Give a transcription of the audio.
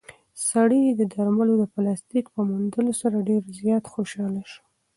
سړی د درملو د پلاستیک په موندلو سره ډېر زیات خوشحاله شو.